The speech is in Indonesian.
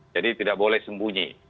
jadi tidak boleh sembunyi